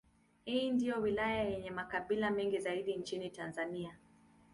Hii ndiyo wilaya yenye makabila mengi zaidi nchini Tanzania.